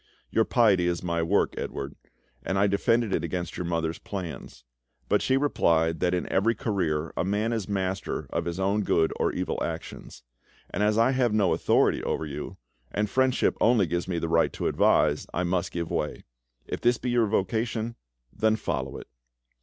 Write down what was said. Your piety is my work, Edouard, and I defended it against your mother's plans; but she replied that in every career a man is master of his own good or evil actions; and as I have no authority over you, and friendship only gives me the right to advise, I must give way. If this be your vocation, then follow it.